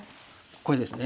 これですね。